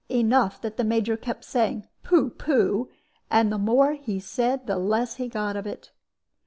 Enough that the Major kept saying, "Pooh pooh!" and the more he said, the less he got of it.